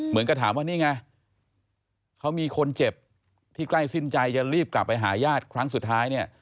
เหมือนกับถามว่านี่ไงเขามีคนเจ็บที่ใกล้สิ้นใจจะรีบกลับไปหาญาติครั้งสุดท้ายเนี่ย